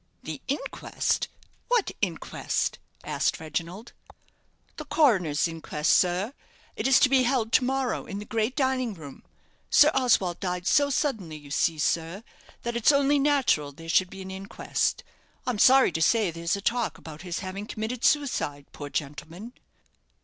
"The inquest! What inquest?" asked Reginald. "The coroner's inquest, sir. It is to be held to morrow in the great dining room. Sir Oswald died so suddenly, you see, sir, that it's only natural there should be an inquest. I'm sorry to say there's a talk about his having committed suicide, poor gentleman!"